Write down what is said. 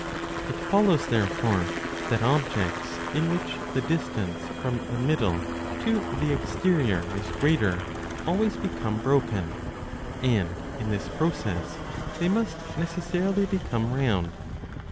It follows, therefore, that objects in which the distance from the middle to the exterior is greater always become broken, and in this process they must necessarily become round.